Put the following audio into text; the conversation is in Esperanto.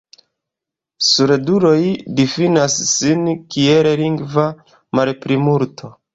La surduloj difinas sin kiel lingva malplimulto.